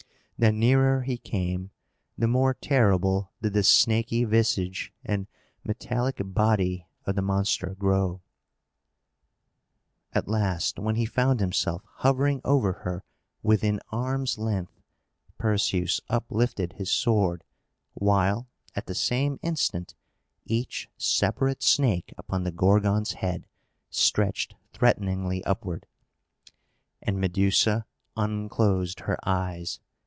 The nearer he came, the more terrible did the snaky visage and metallic body of the monster grow. At last, when he found himself hovering over her within arm's length, Perseus uplifted his sword, while, at the same instant, each separate snake upon the Gorgon's head stretched threateningly upward, and Medusa unclosed her eyes.